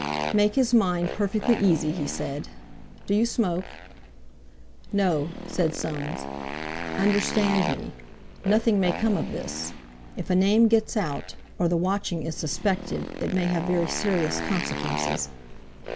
"Make his mind perfectly easy," he said. "Do you smoke?" "No," said Soames. "Understand me: Nothing may come of this. If a name gets out, or the watching is suspected, it may have very serious consequences."